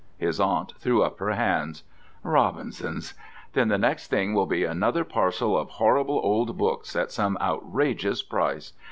His aunt threw up her hands. "Robins's! Then the next thing will be another parcel of horrible old books at some outrageous price.